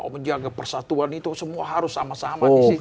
menjaga persatuan itu semua harus sama sama